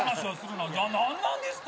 なんですか？